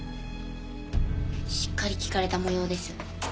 しっかり聞かれた模様です。